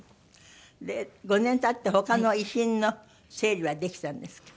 で５年経って他の遺品の整理はできたんですか？